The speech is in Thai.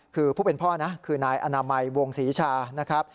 คือผู้เป็นพ่อนะคือนายอนามัยวงศรีชานะครับ